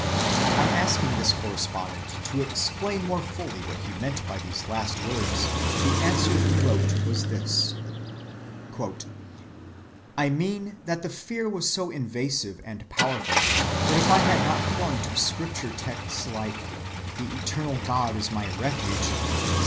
On asking this correspondent to explain more fully what he meant by these last words, the answer he wrote was this:— "I mean that the fear was so invasive and powerful that if I had not clung to scripture‐texts like 'The eternal God is my refuge,' etc.